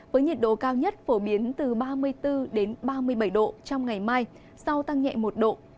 với nhiệt độ cao nhất phổ biến từ ba mươi bốn ba mươi bảy độ trong ngày mai sau tăng nhẹ một độ